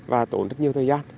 và tốn rất nhiều thời gian